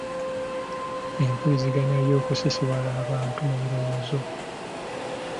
empuliziganya y’okusisiwala abantu mu birowoozo.